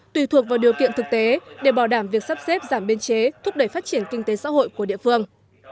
tùy thuộc vào điều kiện thực tế để bảo đảm việc sắp xếp giảm biên chế thúc đẩy phát triển kinh tế xã hội của địa phương